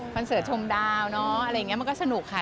เสิร์ตชมดาวเนอะอะไรอย่างนี้มันก็สนุกค่ะ